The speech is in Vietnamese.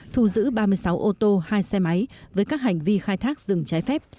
thu giữ ba mươi sáu ô tô hai xe máy với các hành vi khai thác rừng trái phép